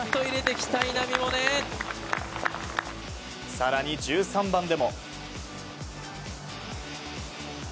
更に、１３番でも。